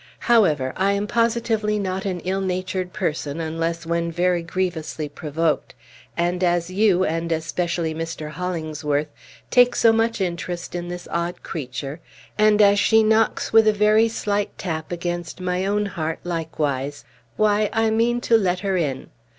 However, I am positively not an ill natured person, unless when very grievously provoked, and as you, and especially Mr. Hollingsworth, take so much interest in this odd creature, and as she knocks with a very slight tap against my own heart likewise, why, I mean to let her in.